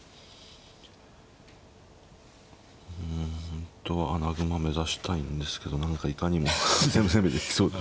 本当は穴熊目指したいんですけど何かいかにも攻めてきそうな。